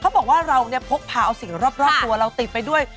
เขาบอกว่าเราเนี่ยพกพาเอาสิ่งรอบตัวเราติดไปด้วย